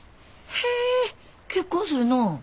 へえ結婚するの？